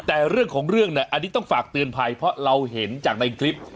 แต่เรื่องของเรื่องเนี่ยอันนี้ต้องฝากเตือนภัยเพราะเราเห็นจากในคลิป